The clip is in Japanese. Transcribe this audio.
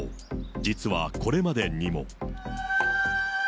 実はこれまでにも。